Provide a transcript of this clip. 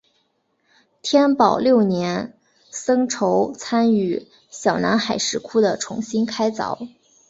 天保六年僧稠参与小南海石窟的重新开凿。